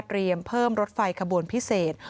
เพิ่มรถไฟขบวนพิเศษ